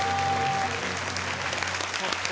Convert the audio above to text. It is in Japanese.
そっか。